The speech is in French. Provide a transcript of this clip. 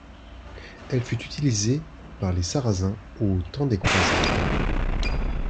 Elle fut utilisée par les Sarrasins au temps des Croisades.